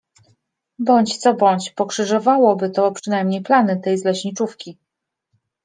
Bądź co bądź pokrzyżowałoby to przynajmniej plany tej z leśniczówki.